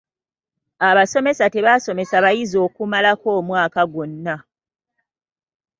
Abasomesa tebaasomesa bayizi okumalako omwaka gwonna.